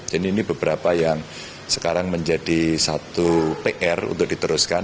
jadi ini beberapa yang sekarang menjadi satu pr untuk diteruskan